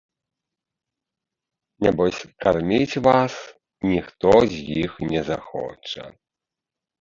Нябось, карміць вас ніхто з іх не захоча.